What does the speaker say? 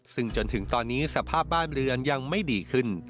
ซึ่งจนถึงตอนนี้สภาพบ้านเรือนยังไม่ดีขึ้น